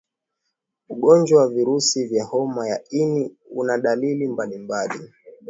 ugonjwa wa virusi vya homa ya ini una dalili mbalimbali